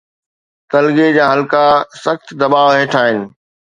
تلگي جا حلقا سخت دٻاءُ هيٺ آهن.